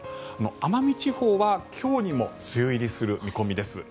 奄美地方は今日にも梅雨入りする見込みです。